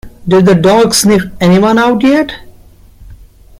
Did the dog sniff anyone out yet?